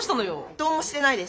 どうもしてないです。